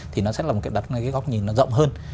thì nó sẽ là một góc nhìn rộng hơn